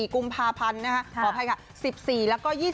๑๔กุมภาพันธ์ขออภัยค่ะ